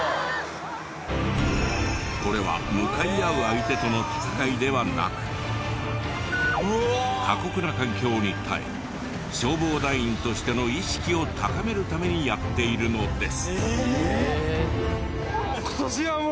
これは向かい合う相手との戦いではなく過酷な環境に耐え消防団員としての意識を高めるためにやっているのです。